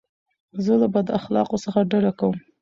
زه له بد اخلاقو څخه ډډه کوم.